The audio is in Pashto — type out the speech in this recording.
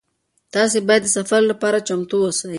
تاسي باید د سفر لپاره چمتو اوسئ.